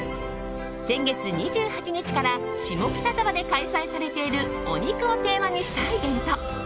先月２８日から下北沢で開催されている「お肉」をテーマにしたイベント。